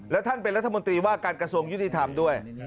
และท่านเป็นรัฐมนตรีว่าการกระทรวงยุติธรรมด้วย